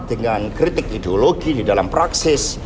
dengan kritik ideologi di dalam praksis